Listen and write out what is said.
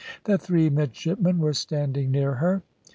The three midshipmen were standing near her.